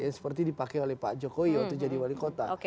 seperti dipakai oleh pak jokowi waktu jadi wali kota